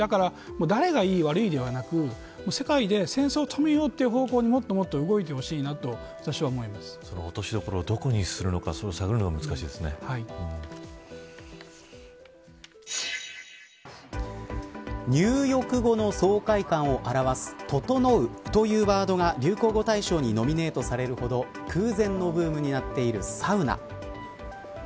誰が良い悪いではなく世界で戦争止めようという方向にもっと動いてほしいな落としどころをどこにするのか入浴後の爽快感を表すととのう、というワードが流行語大賞にノミネートされるほど空前のブームになっているサウナ。